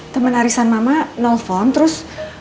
teman arisan mama nelfon terus